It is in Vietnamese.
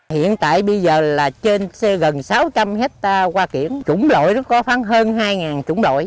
hiện tại bây giờ là trên gần sáu trăm linh hectare hoa kiểng trũng đội có khoảng hơn hai trũng đội